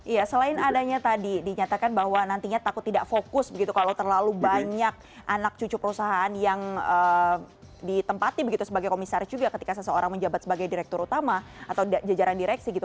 iya selain adanya tadi dinyatakan bahwa nantinya takut tidak fokus begitu kalau terlalu banyak anak cucu perusahaan yang ditempati begitu sebagai komisaris juga ketika seseorang menjabat sebagai direktur utama atau jajaran direksi gitu